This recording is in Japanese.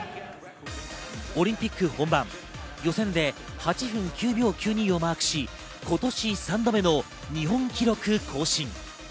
オリンピック本番、予選で８分９秒９２をマークし、今年３度目の日本記録更新。